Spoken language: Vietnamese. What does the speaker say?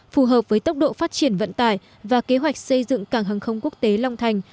phù hợp với tốc độ phát triển vận tải và kế hoạch xây dựng cảng hàng không quốc tế long thành